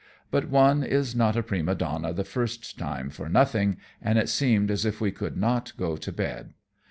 But one is not a prima donna the first time for nothing, and it seemed as if we could not go to bed.